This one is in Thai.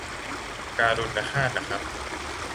การุณฆาต นะครับ